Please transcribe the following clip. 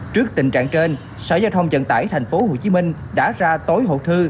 trước tình trạng trên sở giao thông dân tải tp hcm đã ra tối hộ thư